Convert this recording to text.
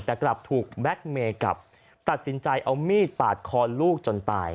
แต่กลับถูกแบ็คเมย์กลับตัดสินใจเอามีดปาดคอลูกจนตาย